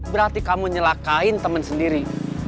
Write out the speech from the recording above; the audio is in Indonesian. berarti kamu nyelakain teman sendiri